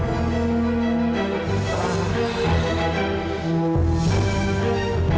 aik tadi culik